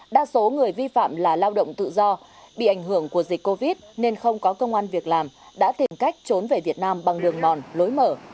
đa số người vi phạm là lao động tự do bị ảnh hưởng của dịch covid nên không có công an việc làm đã tìm cách trốn về việt nam bằng đường mòn lối mở